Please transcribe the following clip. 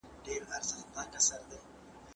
پر لمن د کوه طور به بیرغ پورته د موسی سي